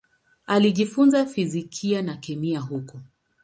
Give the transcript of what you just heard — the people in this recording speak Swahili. Alijifunza fizikia na kemia huko.